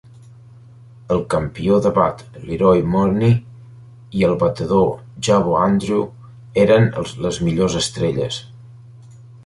El campió de bat Leroy Morney i el batedor Jabbo Andrew eren les millors estrelles.